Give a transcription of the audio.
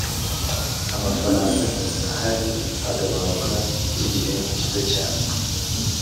amafaranga ahari agabanuka by igihe gito cyane